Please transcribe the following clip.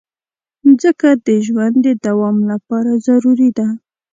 مځکه د ژوند د دوام لپاره ضروري ده.